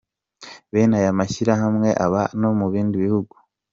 Bene aya mashyirahamwe aba no mu bindi bihugu.